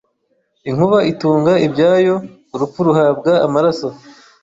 inkuba itunga ibyayo, urupfu ruhabwa amaraso